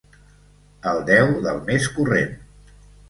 El deu del mes corrent.